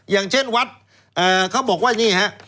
อย่างเช่นวัดเขาบอกว่าอย่างนี้